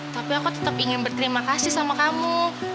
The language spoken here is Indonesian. tapi aku tetap ingin berterima kasih sama kamu